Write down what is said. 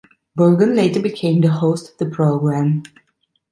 Bergen later became the host of the program.